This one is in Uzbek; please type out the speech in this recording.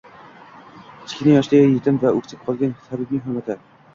Kichik yoshda yetim va o'ksik qolgan Habibing hurmati.